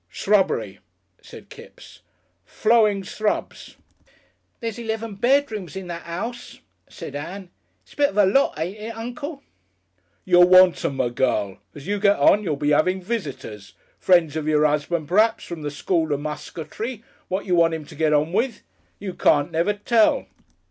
"S'rubbery," said Kipps. "Flow'ing s'rubs." "There's eleven bedrooms in that 'ouse," said Ann. "It's a bit of a lot, ain't it, uncle?" "You'll want 'em, my girl. As you get on, you'll be 'aving visitors. Friends of your 'usband, p'raps, from the School of Musketry, what you want 'im to get on with. You can't never tell."